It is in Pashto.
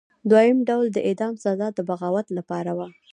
دویم ډول د اعدام سزا د بغاوت لپاره وه.